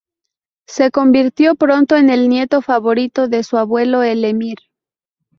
Se convirtió pronto en el nieto favorito de su abuelo el emir.